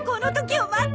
ま待って！